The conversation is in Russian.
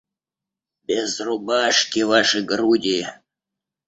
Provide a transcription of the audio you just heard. Без рубашки, ваши груди...